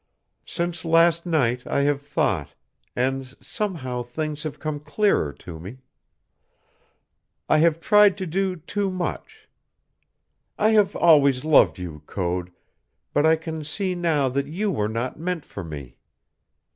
"Since last night I have thought, and somehow things have come clearer to me. I have tried to do too much. I have always loved you, Code, but I can see now that you were not meant for me.